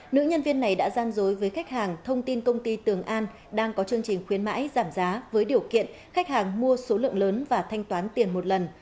nữ nhân viên này đã gian dối với khách hàng thông tin công ty tường an đang có chương trình khuyến mãi giảm giá với điều kiện khách hàng mua số lượng lớn và thanh toán tiền một lần